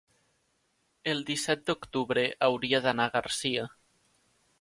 el disset d'octubre hauria d'anar a Garcia.